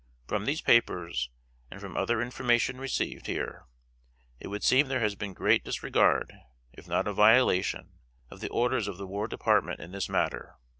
From these papers, and from other information received here, it would seem there has been great disregard, if not a violation, of the orders of the War Department in this matter.